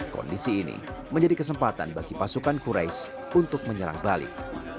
kondisi ini menjadi kesempatan bagi pasukan qurais untuk menyerang balik